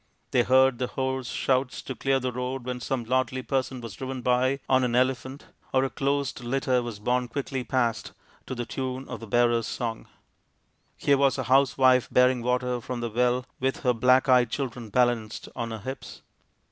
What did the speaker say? They heard the hoarse shouts to clear the road when some lordly person was driven by on an elephant, or a closed litter was borne quickly past to the tune of the bearers' song. Here was a housewife bearing water from the well with her black eyed children balanced on her hips.